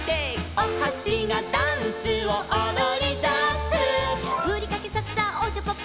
「おはしがダンスをおどりだす」「ふりかけさっさおちゃぱっぱ」